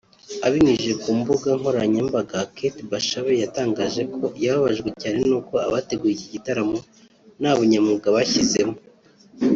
Abinyujije ku mbuga nkoranyambaga Kate Bashabe yatangaje ko yababajwe cyane nuko abateguye iki gitaramo nta bunyamwuga bashyizemo